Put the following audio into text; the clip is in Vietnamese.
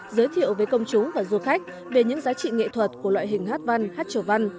giới thiệu với công chúng và du khách về những giá trị nghệ thuật của loại hình hát văn hát trầu văn